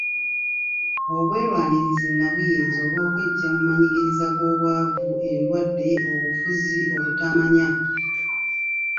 Obwerwanirizi nnabuyinza, olw’okweggya ku manyigiriza g’obwavu, endwadde, obufuzi, obutamanya